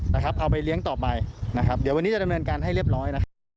เอาไปเลี้ยงต่อไปนะครับเดี๋ยววันนี้จะดำเนินการให้เรียบร้อยนะครับ